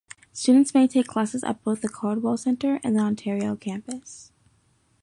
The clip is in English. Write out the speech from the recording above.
Students may take classes at both the Caldwell Center and the Ontario campus.